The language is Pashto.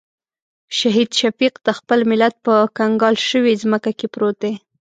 شهید شفیق د خپل ملت په کنګال شوې ځمکه کې پروت دی.